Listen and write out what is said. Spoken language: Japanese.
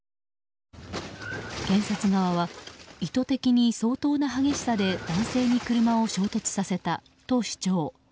検察側は意図的に相当な激しさで男性に車を衝突させたと主張。